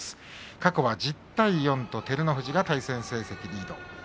過去は１０対４と照ノ富士が対戦成績リード。